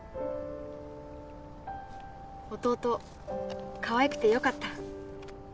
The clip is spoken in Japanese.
弟かわいくてよかった